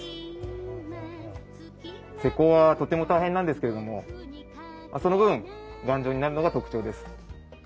施工はとても大変なんですけれどもその分頑丈になるのが特徴です。